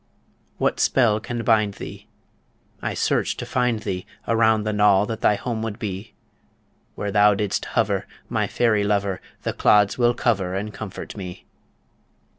What spell can bind thee? I search to find thee Around the knoll that thy home would be Where thou did'st hover, my fairy lover, The clods will cover and comfort me.